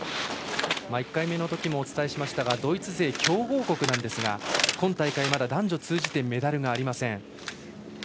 １回目のときもお伝えしましたがドイツ勢、強豪国なんですが今大会、まだ男女通じてメダルがありません。